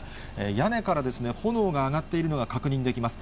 屋根から炎が上がっているのが確認できます。